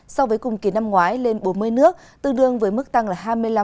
so với cùng kỳ năm ngoái lên bốn mươi nước tương đương với mức tăng là hai mươi năm